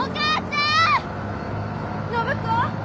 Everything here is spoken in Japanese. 暢子！